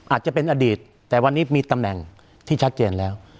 อาจจะเป็นอดีตแต่วันนี้มีตำแหน่งที่ชัดเจนแล้ว